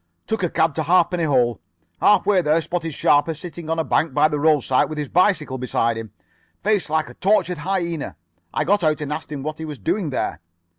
Took a cab to Halfpenny Hole. Halfway there spotted Sharper sitting on a bank by the roadside with his bicycle beside him. Face like a tortured hyena. I got out and asked him what he was doing there.